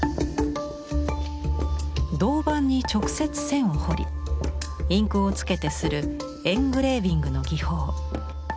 銅板に直接線を彫りインクをつけて刷るエングレービングの技法。